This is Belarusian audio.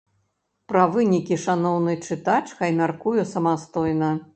Пра вынікі шаноўны чытач хай мяркуе самастойна.